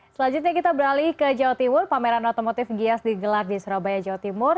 selanjutnya kita beralih ke jawa timur pameran otomotif gias digelar di surabaya jawa timur